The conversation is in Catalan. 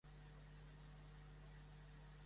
Està enterrat a la catedral de Saragossa.